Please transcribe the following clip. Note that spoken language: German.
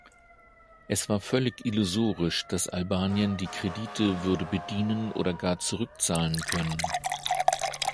Es war völlig illusorisch, dass Albanien die Kredite würde bedienen oder gar zurückzahlen können.